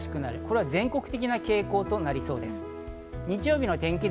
これは全国的な傾向となりそうです。